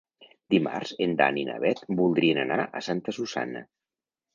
Dimarts en Dan i na Bet voldrien anar a Santa Susanna.